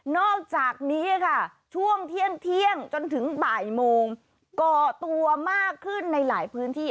อกจากนี้ค่ะช่วงเที่ยงจนถึงบ่ายโมงก่อตัวมากขึ้นในหลายพื้นที่